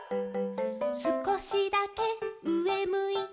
「すこしだけうえむいて」